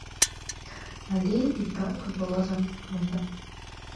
Але і брамка была замкнута.